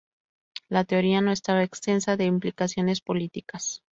La teoría no estaba exenta de implicaciones políticas.